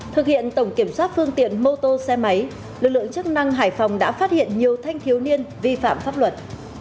thực hiện tổng kiểm soát phương tiện mô tô xe máy lực lượng chức năng hải phòng đã phát hiện nhiều thanh thiếu niên vi phạm pháp luật